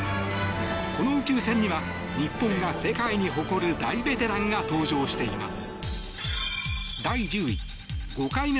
この宇宙船には日本が世界に誇る大ベテランが搭乗しています。